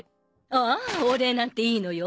ああお礼なんていいのよ